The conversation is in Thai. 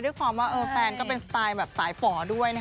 ด้วยความว่าแฟนก็เป็นสไตล์แบบสายฝ่อด้วย